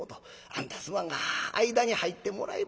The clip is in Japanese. あんたすまんが間に入ってもらえまへんやろか。